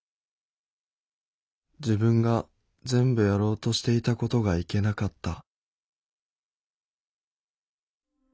「自分が全部やろうとしていたことがいけなかった」。